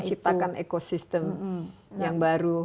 menciptakan ekosistem yang baru